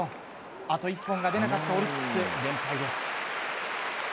あと１本が出なかったオリックス連敗です。